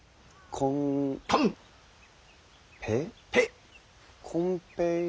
コンペイ。